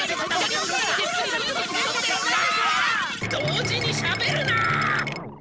同時にしゃべるな！